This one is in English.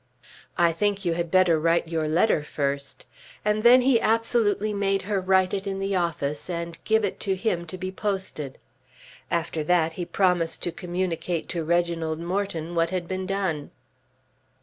"I think you had better write your letter first," and then he absolutely made her write it in the office and give it to him to be posted. After that he promised to communicate to Reginald Morton what had been done.